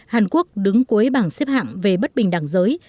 hàn quốc đứng cuối bảng xếp hạng về bất bình đẳng giới